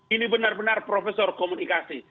ini benar benar profesor komunikasi